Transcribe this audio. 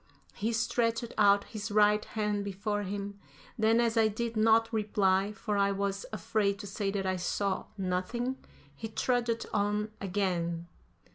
He stretched out his right hand before him, then, as I did not reply, for I was afraid to say that I saw nothing, he trudged on again.